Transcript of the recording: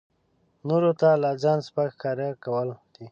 نورو ته لا ځان سپک ښکاره کول دي.